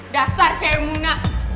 dasar cewek muna